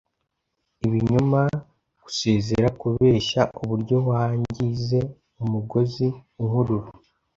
Ibinyoma, gusezera kubeshya, uburyo wangize umugozi unkurura